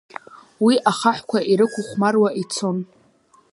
Уи ахаҳәқәа ирықәхәмаруа ицон.